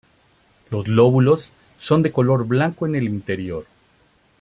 Los lóbulos son de color blanco en el interior.